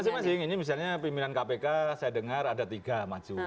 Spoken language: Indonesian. iya masih masih ini misalnya pimpinan kpk saya dengar ada tiga maju